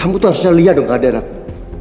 kamu itu harus lihat dong keadaan aku